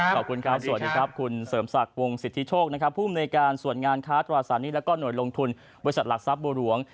ขอบคุณครับสวัสดีครับคุณเสริมศักดิ์วงสิทธิโชคนะครับภูมิในการส่วนงานค้าตราสารหนี้แล้วก็หน่วยลงทุนบริษัทหลักทรัพย์บัวหลวง